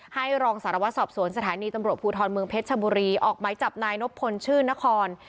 รองสารวัตรสอบสวนสถานีตำรวจภูทรเมืองเพชรชบุรีออกไม้จับนายนบพลชื่อนคร